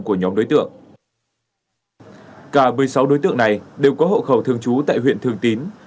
cả một mươi sáu đối tượng này đều có hộ khẩu thương chú tại huyện thương tín